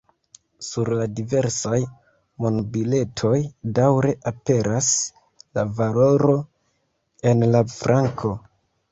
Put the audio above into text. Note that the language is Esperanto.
Sur la diversaj monbiletoj daŭre aperas la valoro en la franko.